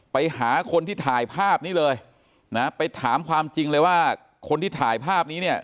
ไปหาคนที่ถ่ายภาพนี้เลยนะไปถามความจริงเลยว่าคนที่ถ่ายภาพนี้เนี่ย